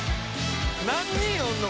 何人おるの？